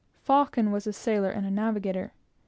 Faucon was a sailor and a navigator.